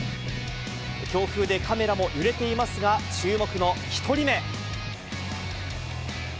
強風でカメラも揺れていますが、注目の１人目。